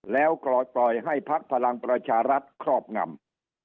แล้วปล่อยให้พักพลังประชารัฐครอบงำ